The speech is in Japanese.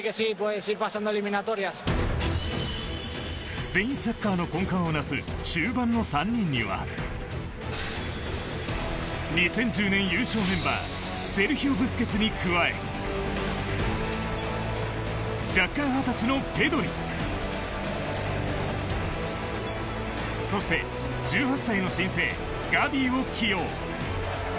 スペインサッカーの根幹をなす中盤の３人には２０１０年優勝メンバーセルヒオ・ブスケツに加え弱冠二十歳のペドリそして、１８歳の新星ガヴィを起用。